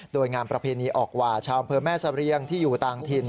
โดยงานประเพณีออกหว่าชาวอำเภอแม่เสรียงที่อยู่ต่างถิ่น